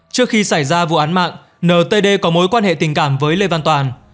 trước khi xảy ra vụ án mạng ntd có mối quan hệ tình cảm với lê văn toàn